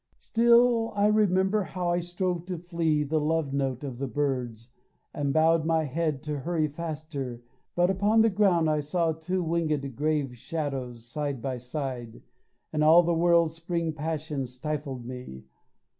Still I remember how I strove to flee The love note of the birds, and bowed my head To hurry faster, but upon the ground I saw two wingèd shadows side by side, And all the world's spring passion stifled me.